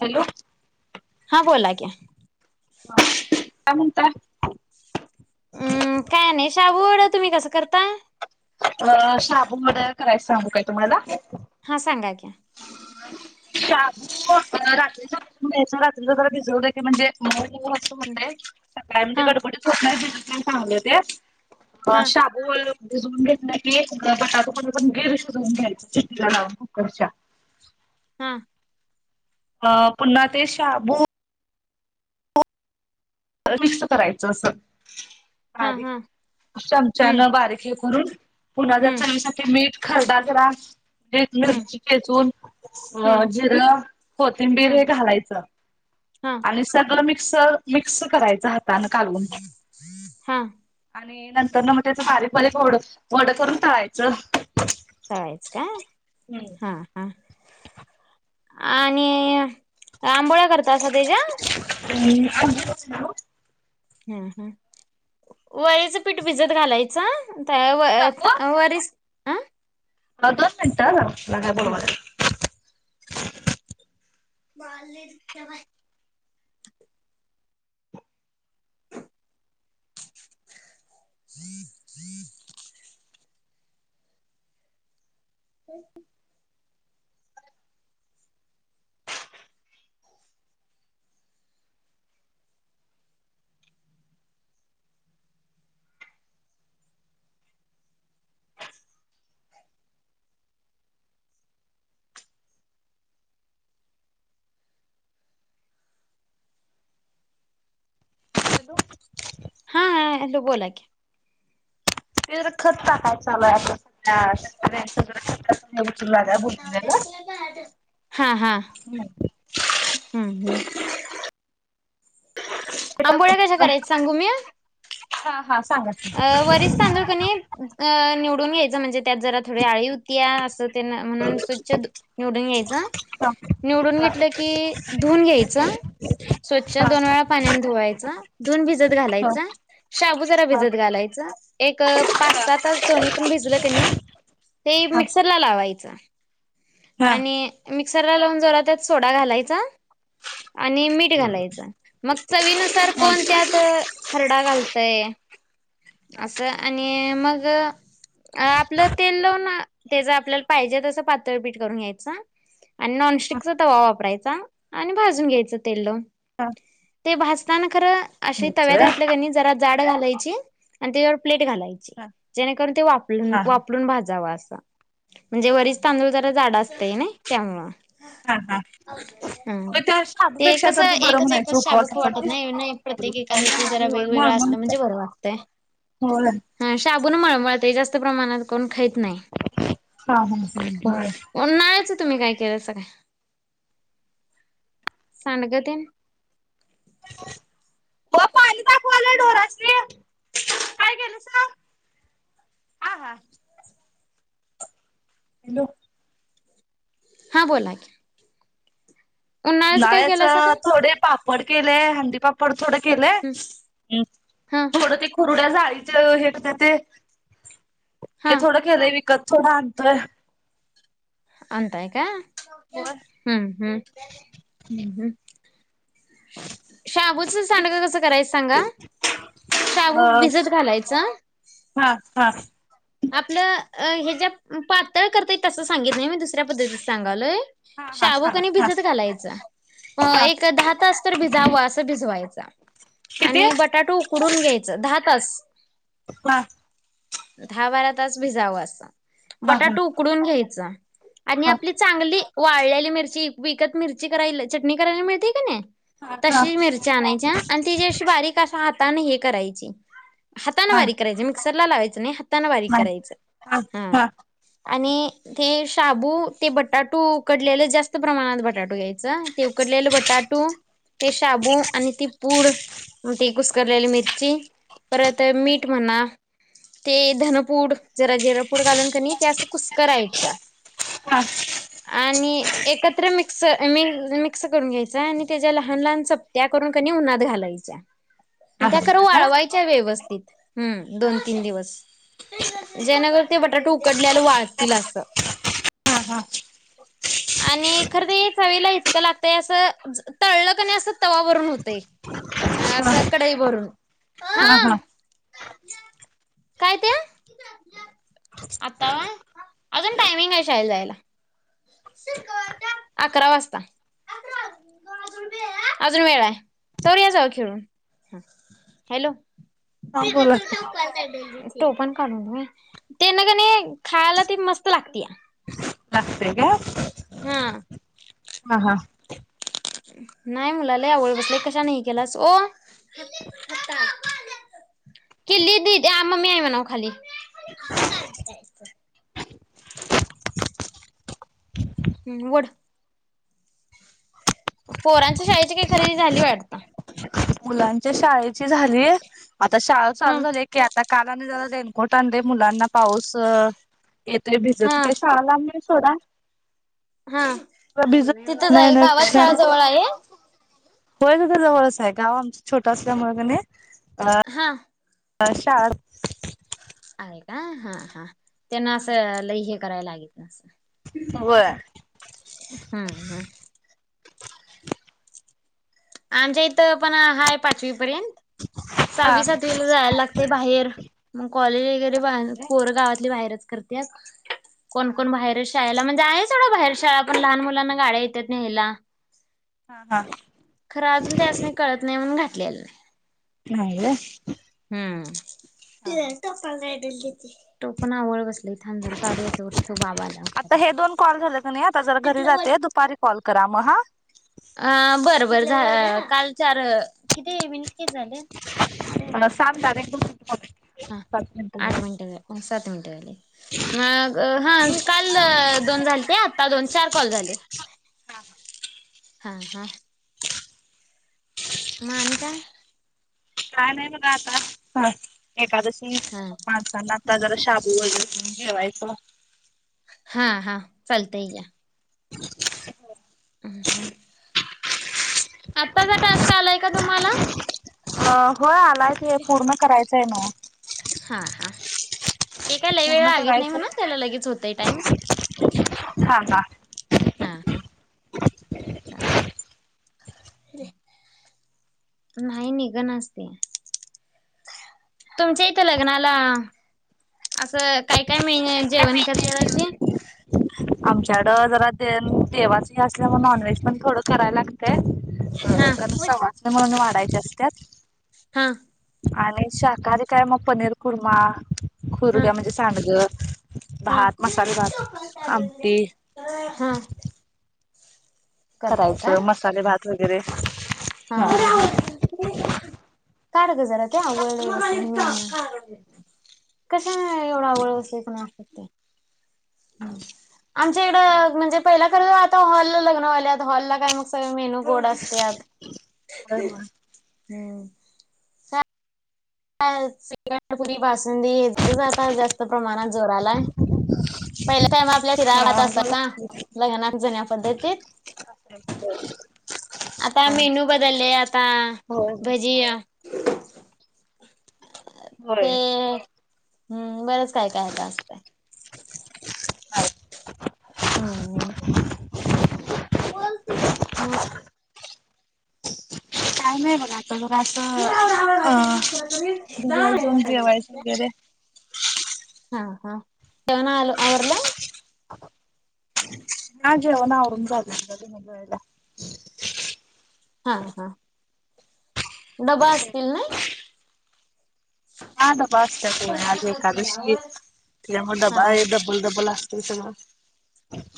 Hello हा बोला की. हां काय म्हणताय? हम काय नाही. शाबूवड तुम्ही कसं करताय? अ शाबू वड करायच सांगू काय तुम्हाला? हां सांगा की. शाबु रात्रीच भिजवून घ्यायचं रात्रीच जरा भिजवलं की म्हणजे मऊ असं होतय सकाळी म्हणजे हा गडबडीत होत नाही भिजवल की चांगल होत्यात. हा हां शाबू वड भिजवून घेतलं की एक बटाटू पण गीर शिजवून घ्यायच तीन शिट्ट्या लावून कुकरच्या. [inaudible] हा. अ पुन्हा ते शाबू मिक्स करायचं अस, हा हा हम्म चमच्यान बारीक करून पुन्हा त्या हम्म चवीसाठी मीठ खरडा जरा एक हम्म मिरची ठेचून अ हम्म जिरं कोथिंबीर हे हम्म घालायचं. हा आणि सगळं मी क्स मिक्स करायच हातान हां. आणि नंतर न म तेच बारीक- बारीक वड -वड करून तळायचं. तळायचं काय? हा हा. आणि आंबोळ्या करतासा तेच्या? आंबोळ्या नाही ओ हा हा वरीचं पीठ भिजत घालायचं, तव्या वर वरीच दोन मिनिट हा जरा मला काय बोलवाल्यात. [inaudible] [inaudible] [inaudible] हॅलो. हा हॅलो बोला की. ते जरा खत टाकाय चालू हाय आता त्या [unintelligible] उचलू लागाय बोलूया हम् हम. आंबोळ्या कशा करायच्या सांगू मी? हा हा. सांगा की अ वरीच तांदूळ कणी निवडून घ्यायचं म्हणजे त्यात जरा थोडी आळी होती या अस तेन म्हणून स्वच्छ निवडून घ्यायच. हा हा निवडून हा घेतलं की धुऊून घ्यायच, स्वच्छ दोन वेळा पाण्याने धुवायचं धुवून भिजत घालायच शाबू जरा भिजत घालायच एक पाच सात तास दोन्ही पण भिजल का नाही ते मिक्सरला लावायचं हा हा आणि मिक्सरला लावून जरा त्यात सोडा घालायचा आणि मीठ घालायचं मग चवीनुसार कोण त्यात खरडा घालतय असं आणि मग आपलं तेल लावून त्याच आपल्याला पाहिजे तर पीट करून घ्यायचा आणि नॉनस्टिकचा तवा वापरायचा आणि भाजून घ्यायच तेल्ल ह ते भाजताना खरं अशी तव्यात घातलं कनी जरा जाड घालायची आणि त्यावर प्लेट घालयची जेणेकरून ते वाफाळून भाजव अस म्हणजे तांदूळ जाड असत ना त्यामुले मग त्या ते शाबूपेक्षा कस तर बरं एकच म्हणायचं एकच शाबू खाऊ वाटत उपवासासाठी नाही प्रत्येक एकादशीला जरा नाही वेगवेगळा असलं म्हणजे बरं वाटतंय हो म्हणून मळमळते जास्त प्रमाणात पण खात नाही हा हा होय तुम्ही काय केलं सांगा सांडग तेन [inaudible] हो पाणी दाखवायला ढोरासनी काय केलं हा हा हॅलो हां बोला क उन्हाळ्याच काय? थोडे पापड केलेय हंडी पापड थोड केलंय हम्म हा थोडं ते कुरुगड्या जाळीच हे ते ते हा थोडं केलंय विकत थोडं आणतोय आणताय का हम्म होय हम्म हम्म हम्म शाबूचं सांडग कसं करायचं सांगा शाबू अ भिजत घालायचा हा हा आपलं हे ज्या पातळ करताय तस सांगित नाही मी दुसऱ्या पद्धतीत सांगालोय हा हा शाबू सांगा कणी हा भिजत घालायचा हा एक दहा तास तर भिजावं असं भिजवायच किती आणि बटाटा उकडून घ्यायचं दहा तास हा दहा बारा तास भिजावं असं हा हा बटाटा उकडून घ्यायच आणि हा हा आपली चांगली वाळलेली मिरची विकत मिरची करायला चटणी करायला मिळते का नाही हा हा हा तशी मिरच्या आणायच्या आणि ती जी अशी बारीक अस हाताने हे करायची हाताानं हा बारीक करायच मिक्सरला लावायचं नाही हातानें बारीक करायचं हा आणि ते शाबू ते बटाटू उकडलेलं जास्त प्रमाणात बटाटो घ्यायच ते उकडलेल बटाटू ते शाबू आणि ती पूड ती कुसकरलेली मिरची परत मीठ म्हणा ते धनपूड जरा जिरापूड घालून कनी त्यास कुस्करायचा आणि एकत्र मी मिकस मिक्स करून घ्यायचा आणि त्याच्या लहान लहान चपत्या करून कनी उन्हात घालायच्या त्या खरं वाळवायच्या व्यवस्थित हम्म दोन तीन दिवस जयनगर ते बटाटु आपल्या वाळतील अस हा आणि खरं तर चवीला इतकं लागतंय असं तळलं का नाही असं तवावरून होते कडेही भरून हा काय त्या आता अजून टायमिंग आहे शायल जायला अकरा वाजता अजून वेळा आहे तर या जाव खेळून हॅलो हा बोला. स्टोव पण काढून दे ते नगने खायला त मस्त लागतया नस्ते का.. हा हा हा नाही मुलाला आवळ बसल्या कशा नाही केलास [unintelligible] [unintelligible] [inaudible] पोरांच्या शाळेची काही खरेदी झाली वाटत मुलांच्या शाळेची झालीय आता शाळा चालू हम्म झाली की आता कालाने जरा रेनकोट आण मुलांना पाऊस येते भिजत हा शाळालां [inaudible] हा तिथं आहे गावात येण्यापेक्षा शाळा जवळ आहे होय तसं जवळच आहे गाव आमचं मुळं कनी हा. अशाच का हा हा त्यांना असं लई हे करायला लागितल नां होय हम्म हम्म. आमच्या इथं पण हा आहे पाचवी पर्यंत हा सहावी सातवीला जायला लागते बाहेर मगं कॉलेज हा वगैरे पोर गावातली बाहेरच करत्यात हा कोणकण बाहेर शाळेला म्ह जायचवढं बाहेर शाळा पण लहान मुलांना गाड्या येतात नाहीयला हा हा. खरं अजून ते अस नाही कळत नाही म्हणून घातलेलं नाही- नाही होय [unintelligible] काढू येतो ठेव बाबा आल्यावर काढू. आता हे दोन कॉल झाले का नाही आता जरा घरी जाते दुपारी कॉल करा मगं हा अ बरं बरं झा काल चार किती मिनिट काय झाले? हा सात तारीख हा [unintelligible] आठ मिनटे, सात मिनिटे झाली मगं हा काल दोन झालत्यात दोन चार कॉल झाले, हा हा, मग आणि काय काय नाही बघा आता एकादशी हा माणसांना जला शाबू वगैरे घेवायच हा हा चालतयं घ्या [unintelligible] आत्ताचा टास्क आलाय का तुम्हाला? अ होय आलाय की पूर्ण करायचंय नव्ह हा हा. पूर्ण करायचंय [unintelligible] हां हा! हा हा चाल. नाही निघ ना च ते. तुमच्या इथं लग्नाला असं काय काय मेन जेवण करत्यात अशे हा आमच्याकडं जरा दे देवाच असल्यामुळे नॉनव्हेज पण थोडं करायला लागतय अ हा कारण सवासणी म्हणून वाढायच्या असत्या हा! आणि शाकाहारी काय मग पनीर कुरमा खुरड्या म्हणजे सांडगं हुं भात, मसाले भात आमटी हुं! करायचं मसाले भात वगैरे हा का रे ज जरा ते आंघोळनही ह कशाने एवढ आवळअसतय कुणास [unintelligible] [inaudible] आमच्या इढ म्हणजे पहिला कर, आता हॉल ला लग्न व्हायल्यात, हॉलला काय मग सगळे मेन्यू गोड असत्यात होय होय. हूं! अ श्रीखंड, पुरी, बासुंदी, जातात जास्त प्रमाणात जोरालाय पहिल्या टाईम आपल्या शिरा, भात, हा असायच लग्नात जुन्या पद्धतीत. आता मेनू बदलले आता होय होय भजी. [inaudible] ते होय. हूं बरच काय काय आता असतय [inaudible] हूं! बोलती. टाईम आहे बघात तर मग असं अं दिव्या जेऊन जेवायचे वगैरे. हा हा जेवण आल आवरलं? [inaudible] हा जेवण आवरून झाल हा हा! डबा आसतील नाही. हा डबा असत्यात ना आज एकादशी हे त्या मूळ हा डबा हे एक डबल डबल अस तेस ना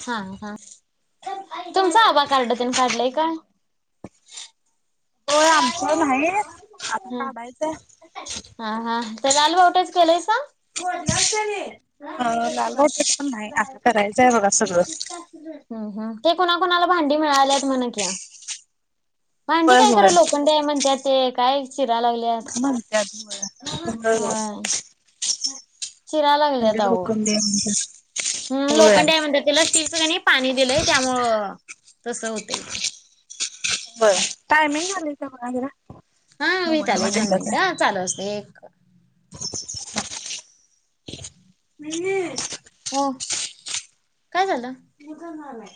हा हा! तुमच आबा कार्ड त्यान काढलय का? हो आमचं न्हाई आता काढायचंय. हा हा तर लाल होटच केलेय. फोडलाच त्यांनी [unintelligible] अ लाल बहुतेक पण नाही आता करायचंय बघा सगळं. हं हं ते कुणाकुणाला भांडी मिळाल्यात म्हण किया भांडी होय काय? होय. तरं लोखंड आहे म्हणत्यात ते काय? चिरा लागल्यात म्हणत्यात. होय [unintelligible] [unintelligible] हूं होय लोखंडय म्हणतात त्याला स्टीलचं का नाही पाणी दिलंय त्यामुळ तसं होतय ते. बरं टायमिंग झाले का बघा जरा. हा मोबाईल विहितालय दोन मध्ये मिनिट अ चालू असत एक [inaudible] हो काय झालंय?